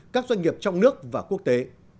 các doanh nghiệp trong nước và quốc tế